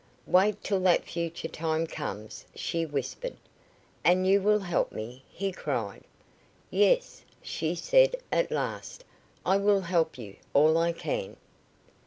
"Wait till that future time comes," she whispered. "And you will help me?" he cried. "Yes," she said, at last, "I will help you all I can."